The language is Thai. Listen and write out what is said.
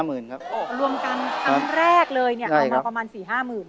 รวมกันครั้งแรกเลยเนี่ยเอามาประมาณ๔๕๐๐๐๐